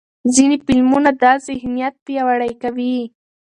ځینې فلمونه دا ذهنیت پیاوړی کوي.